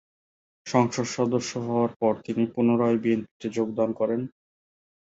সংসদ সদস্য হওয়ার পর তিনি পুনরায় বিএনপিতে যোগদান করেন।